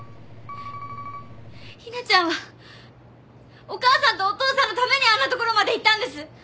ひなちゃんはお母さんとお父さんのためにあんな所まで行ったんです。